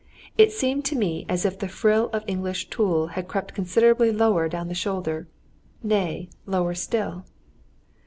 It seemed to me as if the frill of English tulle had crept considerably lower down the shoulder, nay, lower still.